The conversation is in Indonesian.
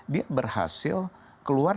dia berhasil keluar